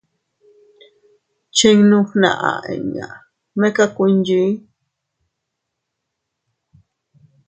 Chinnu fnaʼa inña meka kuinchii.